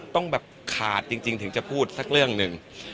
ทุกคนจริงถึงจะพูดสักเรื่องหนึ่ง